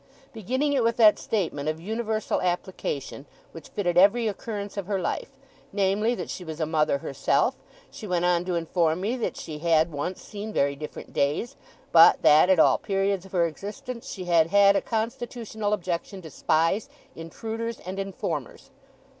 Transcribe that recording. Beginning it with that statement of universal application, which fitted every occurrence of her life, namely, that she was a mother herself, she went on to inform me that she had once seen very different days, but that at all periods of her existence she had had a constitutional objection to spies, intruders, and informers.